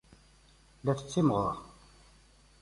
La tettimɣur.